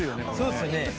そうですよね。